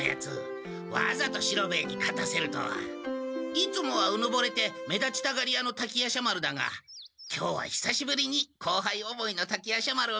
いつもはうぬぼれて目立ちたがり屋の滝夜叉丸だが今日はひさしぶりに後輩思いの滝夜叉丸を見た。